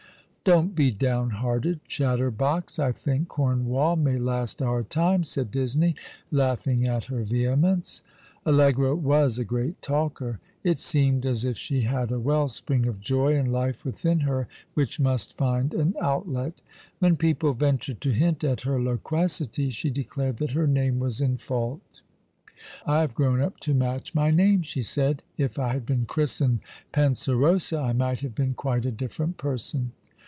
"Don't be down hearted, Chatterbox! I think Cornwall may last our time," said Disney, laughing at her vehemence. Allegra was a great talker. It seemed as if she had a well spring of joy and life within her which must find an outlet. When people ventured to hint at her loquacity she declared that her name was in fault. "I have grown up to match my name," she said; "if I had been christened Penserosa I might have been quite a difi"erent person."